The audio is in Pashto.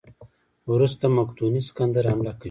وروسته مقدوني سکندر حمله کوي.